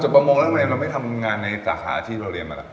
ประมงแล้วทำไมเราไม่ทำงานในสาขาที่เราเรียนมาล่ะ